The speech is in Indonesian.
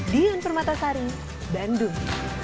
dian permatasari bandung